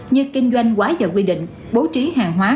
như kinh doanh quá giờ quy định bố trí hàng hóa